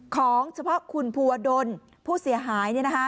ของเฉพาะคุณภูวะดนผู้เสียหายนี่นะคะ